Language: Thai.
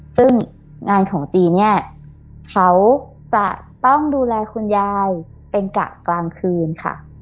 ซึ่งงานของจีนเนี่ยเขาจะต้องดูแลคุณยายเป็นกะกลางคืนค่ะ